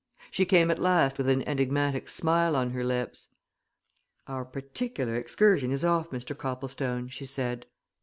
She came at last with an enigmatic smile on her lips. "Our particular excursion is off, Mr. Copplestone," she said.